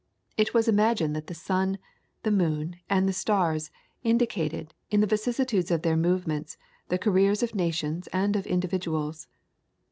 It was imagined that the sun, the moon, and the stars indicated, in the vicissitudes of their movements, the careers of nations and of individuals.